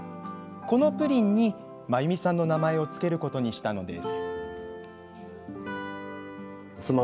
このプリンに真由美さんの名前を付けることにしたのです。